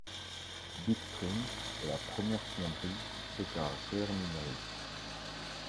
Bitstream est la première fonderie de caractères numériques.